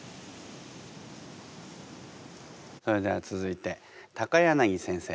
それでは続いて柳先生